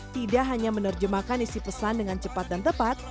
tidak hanya menerjemahkan isi pesan dengan cepat dan tepat